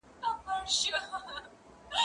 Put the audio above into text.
زه کولای سم سبزیحات جمع کړم؟!